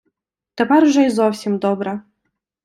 Тепер уже й зовсім добре...